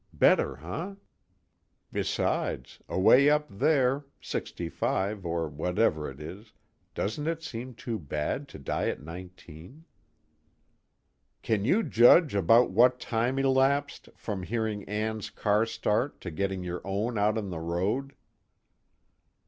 Better, huh? Besides, away up there, sixty five or whatever it is, doesn't it seem too bad to die at nineteen?_ "Can you judge about what time elapsed, from hearing Ann's car start to getting your own out on the road?"